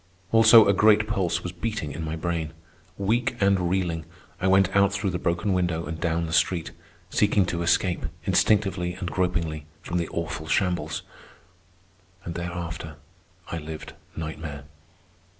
Also, a great pulse was beating in my brain. Weak and reeling, I went out through the broken window and down the street, seeking to escape, instinctively and gropingly, from the awful shambles. And thereafter I lived nightmare.